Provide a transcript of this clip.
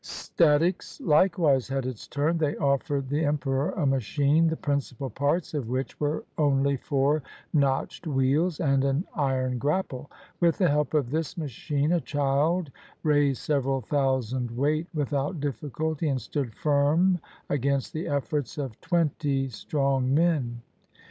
Statics likewise had its turn. They offered the em peror a machine the principal parts of which were only four notched wheels and an iron grapple. With the help of this machine, a child raised several thousand weight without difficulty, and stood firm against the efforts of twenty strong men.